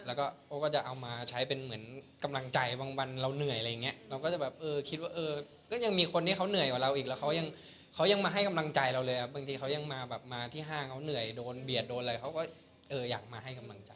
แล้วก็เขาก็จะเอามาใช้เป็นเหมือนกำลังใจบางวันเราเหนื่อยอะไรอย่างเงี้ยเราก็จะแบบเออคิดว่าเออก็ยังมีคนที่เขาเหนื่อยกว่าเราอีกแล้วเขายังเขายังมาให้กำลังใจเราเลยอ่ะบางทีเขายังมาแบบมาที่ห้างเขาเหนื่อยโดนเบียดโดนอะไรเขาก็เอออยากมาให้กำลังใจ